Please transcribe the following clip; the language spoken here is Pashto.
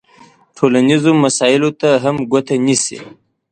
ټولنیزو مسایلو ته هم ګوته نیسي.